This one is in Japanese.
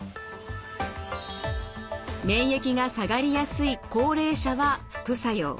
免疫が下がりやすい高齢者は副作用。